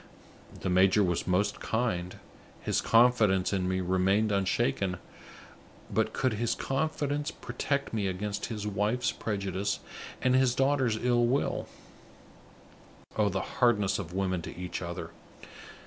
The major was most kind; his confidence in me remained unshaken; but could his confidence protect me against his wife's prejudice and his daughter's ill will? Oh, the hardness of women to each other!